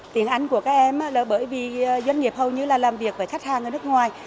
tiếng anh của các em là bởi vì doanh nghiệp hầu như là làm việc với khách hàng ở nước ngoài